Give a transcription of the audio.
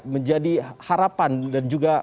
menjadi harapan dan juga